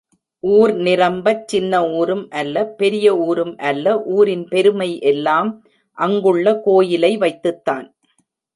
ஊர் நிரம்பச் சின்ன ஊரும் அல்ல பெரிய ஊரும் அல்ல ஊரின் பெருமை எல்லாம் அங்குள்ள கோயிலை வைத்துத்தான்.